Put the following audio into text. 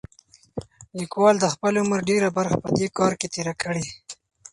لیکوال د خپل عمر ډېره برخه په دې کار کې تېره کړې.